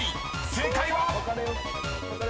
［正解は⁉］